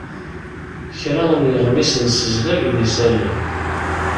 Kra n yiɣmisen ssezlagen isalan.